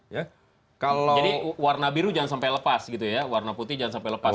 jadi warna biru jangan sampai lepas gitu ya warna putih jangan sampai lepas